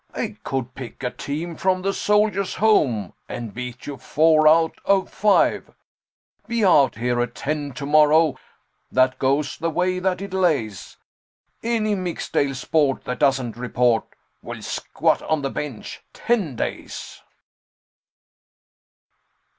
I could pick a team from the Soldiers' Home And beat you four out of five. Be out here at ten to morrow That goes the way that it lays; Any mixed ale sport that doesn't report Will squat on the bench ten days!"